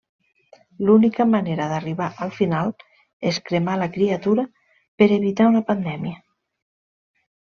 L'única manera d'arribar al final és cremar la criatura per evitar una pandèmia.